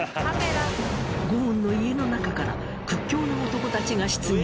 ゴーンの家の中から屈強な男たちが出現！